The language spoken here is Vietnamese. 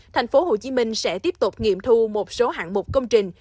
tp hcm sẽ tiếp tục nghiệm thu một số hạng mục công trình